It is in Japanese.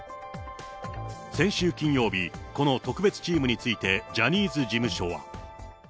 先週金曜日、この特別チームについてジャニーズ事務所は。